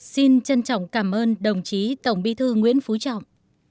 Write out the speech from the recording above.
xin trân trọng cảm ơn đồng chí tổng bí thư nguyễn phú trọng